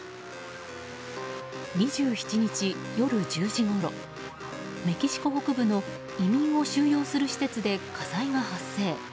２７日夜１０時ごろメキシコ北部の移民を収容する施設で火災が発生。